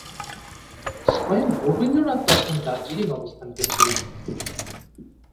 স্বয়ং রবীন্দ্রনাথ তখন দার্জিলিং অবস্থান করছিলেন।